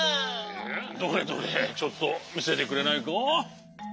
どれどれちょっとみせてくれないか？